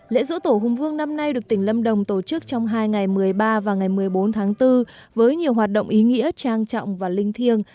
lễ dỗ tổ hùng vương năm nay được tỉnh lâm đồng tổ chức trong hai ngày một mươi ba và ngày một mươi bốn tháng bốn với nhiều hoạt động ý nghĩa trang trọng và linh thiêng